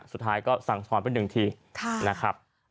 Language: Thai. สุดท้ายก็สั่งสอนไปหนึ่งทีนะครับ